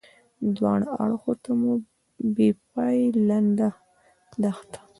دواړه اړخو ته مو بې پایې لنده دښته.